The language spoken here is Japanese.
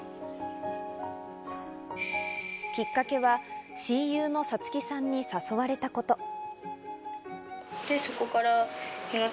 きっかけは親友のさつきさんに誘われたこと。